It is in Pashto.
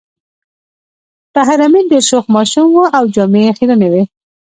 طاهر آمین ډېر شوخ ماشوم و او جامې یې خيرنې وې